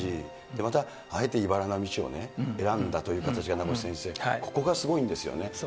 また、あえていばらの道を選んだという、名越先生、ここがすごいんですよね。